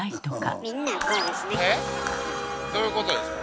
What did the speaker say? どういうことですか？